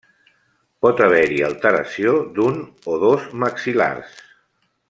Pot haver-hi alteració d'un o dos maxil·lars.